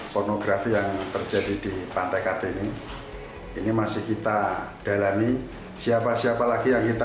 pornografi yang terjadi di pantai kartini ini masih kita dalami siapa siapa lagi yang kita